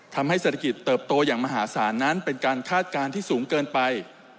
ทำให้เศรษฐกิจเติบโตอย่างมหาศาลนั้นเป็นการคาดการณ์ที่สูงเกินไป